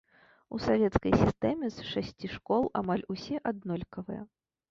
У савецкай сістэме з шасці школ амаль усе аднолькавыя.